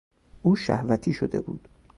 او شهوتی شده بود.